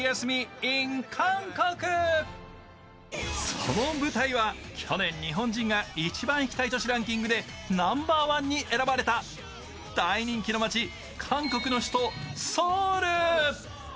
その舞台は去年、日本人が一番行きたい都市ランキングでナンバーワンに選ばれた大人気の町、韓国の首都ソウル。